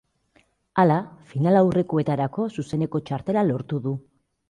Hala, final aurrekoetarako zuzeneko txartela lortu du.